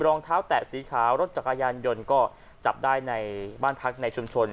รองเท้าแตะสีขาวรถจักรยานยนต์ก็จับได้ในบ้านพักในชุมชน